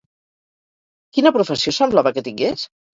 Quina professió semblava que tingués?